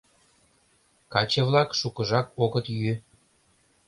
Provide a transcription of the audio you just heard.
Каче-влак шукыжак огыт йӱ.